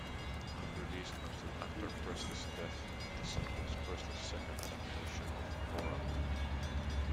Unreleased until after Presley's death, the song was Presley's second adaptation of "Aura Lee".